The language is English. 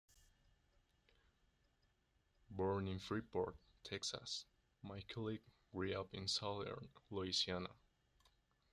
Born in Freeport, Texas, Miculek grew up in southern Louisiana.